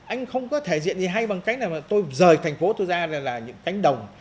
anh không có thể hiện gì hay bằng cách là tôi rời thành phố tôi ra là những cánh đồng